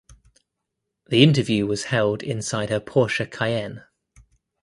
The interview was held inside her Porsche Cayenne.